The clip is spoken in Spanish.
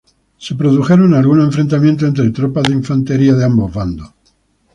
Se produjeron algunos enfrentamientos entre tropas de infantería de ambos bandos.